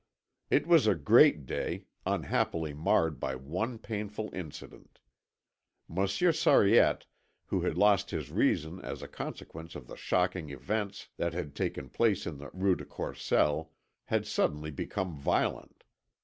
It was a great day, unhappily marred by one painful incident. Monsieur Sariette, who had lost his reason as a consequence of the shocking events that had taken place in the Rue de Courcelles, had suddenly become violent.